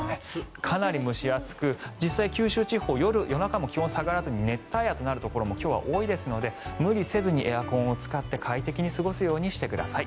かなり蒸し暑く実際、九州地方夜中も気温が下がらずに熱帯夜となるところも今日は多いですので無理せずにエアコンを使って快適に過ごすようにしてください。